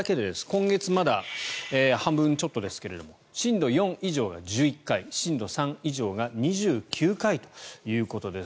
今月、まだ半分ちょっとですが震度４以上が１１回震度３以上が２９回ということです。